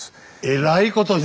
えらいことに。